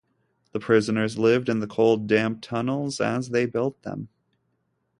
The prisoners lived in the cold, damp tunnels as they built them.